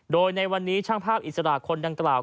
โดยในวันนี้ช่างภาพอิสระคนดังกล่าว